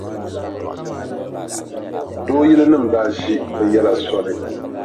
Dooyilinima daa ʒi bɛ yɛla soli.